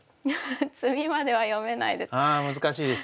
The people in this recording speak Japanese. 詰みまでは読めないです。